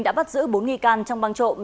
đã bắt giữ bốn nghi can trong băng trộm